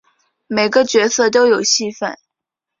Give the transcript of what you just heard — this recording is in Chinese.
每个角色都有戏份